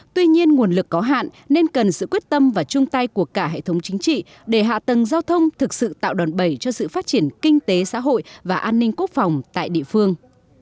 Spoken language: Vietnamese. tuy nhiên nguồn lực có hạn nên cần sự quyết tâm và chung tay của cả hệ thống chính trị để hạ tầng giao thông thực sự tạo đòn bẩy cho sự phát triển kinh tế xã hội và an ninh quốc phòng tại địa phương